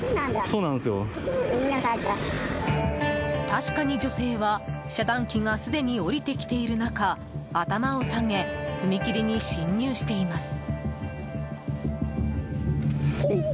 確かに、女性は遮断機がすでに下りてきている中頭を下げ踏切に進入しています。